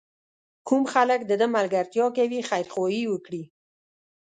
کوم خلک د ده ملګرتیا کوي خیرخواهي وکړي.